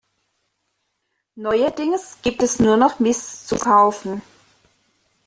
Neuerdings gibt es nur noch Mist zu kaufen.